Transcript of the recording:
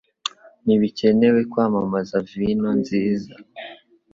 Ntibikenewe kwamamaza vino nziza.